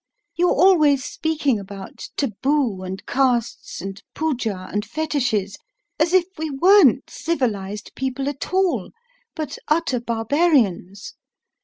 You're always speaking about taboo, and castes, and poojah, and fetiches, as if we weren't civilised people at all, but utter barbarians.